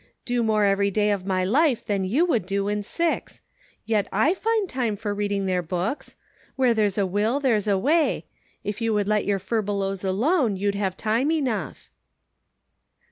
do more every day of my life than you would do in six ; yet / find time for reading their books ; ■v^ere there's a will, there's a way ; if you would let your furbelows alone, you'd have time enough.'